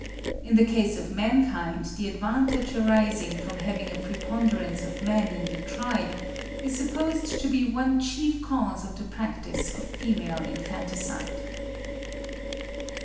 In the case of mankind the advantage arising from having a preponderance of men in the tribe is supposed to be one chief cause of the practice of female infanticide.